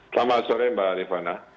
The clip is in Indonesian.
selamat sore mbak rifana